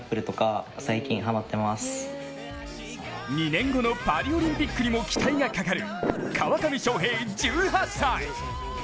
２年後のパリオリンピックにも期待がかかる川上翔平、１８歳。